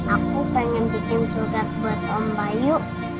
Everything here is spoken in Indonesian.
aku pengen bikin surat buat om bayu